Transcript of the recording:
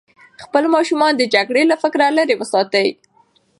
خپل ماشومان د جګړې له فکره لرې وساتئ.